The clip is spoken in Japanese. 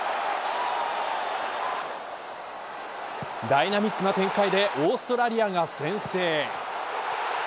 ダイナミックな展開でオーストラリアが先制。